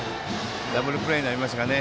ダブルプレーになりましたね。